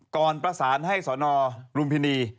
ก่อนประสานให้สนรุมพินี